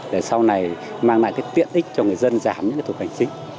để sau này mang lại cái tiện ích cho người dân giảm những cái thuật hành chính